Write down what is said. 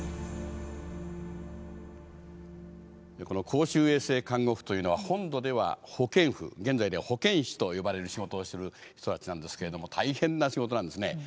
公衆衛生看護婦というのは本土では保健婦現在では保健師と呼ばれる仕事をする人たちなんですけれども大変な仕事なんですね。